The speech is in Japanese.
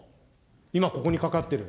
今、ここにかかってる。